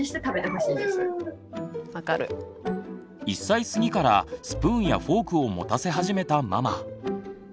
１歳すぎからスプーンやフォークを持たせ始めたママ。